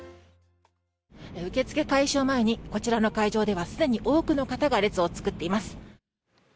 受け付け開始前にこちらの会場ではすでに多くの方が列を作っています。